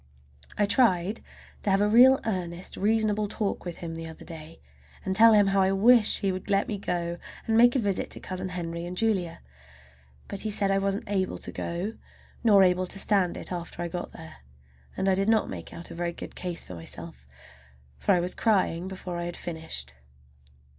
I tried to have a real earnest reasonable talk with him the other day, and tell him how I wish he would let me go and make a visit to Cousin Henry and Julia. But he said I wasn't able to go, nor able to stand it after I got there; and I did not make out a very good case for myself, for I was crying before I had finished.